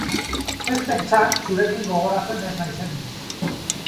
Ez pentsa zurekin gogoratzen ez naizenik.